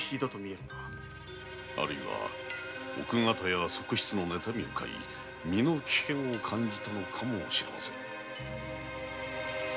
あるいは奥方や側室のねたみをかい身の危険を感じたのかもしれませぬ。